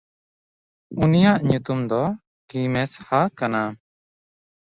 ᱩᱱᱤᱭᱟᱜ ᱧᱩᱛᱩᱢ ᱫᱚ ᱠᱤᱢᱮᱥᱦᱟ ᱠᱟᱱᱟ᱾